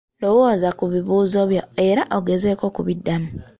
Lowooza ku bibuuzo ebyo era ogezeeko okubiddamu.